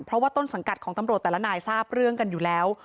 เพราะว่าต้นสังกัดของตำรวจแต่ละนายทราบเรื่องกันอยู่แล้ว